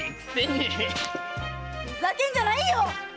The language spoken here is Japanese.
ふざけんじゃないよ！